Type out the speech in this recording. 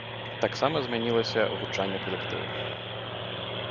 Таксама змянілася гучанне калектыву.